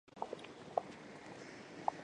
お腹が空いたからランチにしよう。